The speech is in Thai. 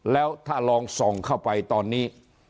แล้วถ้าลองส่องเข้าไปตอนนี้